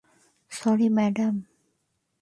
Sorry, madam.